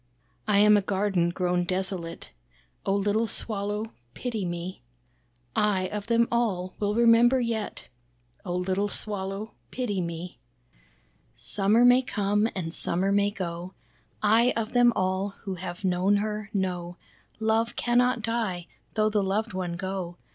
"I am a garden grown desolate, Oh little Swallow pity me. I of them all, will remember yet, Oh little Swallow pity me. Summer may come and summer may go, I of them all who have known her, know Love cannot die, though the loved one go.